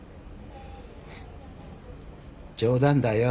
冗談だよ。